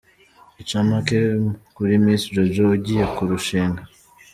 Incamake kuri Miss Jojo ugiye kurushinga.